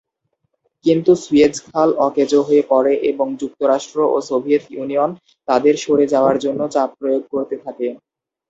কিন্তু সুয়েজ খাল অকেজো হয়ে পড়ে এবং যুক্তরাষ্ট্র ও সোভিয়েত ইউনিয়ন তাদের সরে যাওয়ার জন্য চাপ প্রয়োগ করতে থাকে।